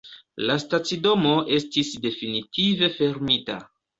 La stacidomo estis definitive fermita.